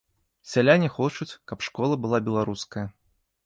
Сяляне хочуць, каб школа была беларуская.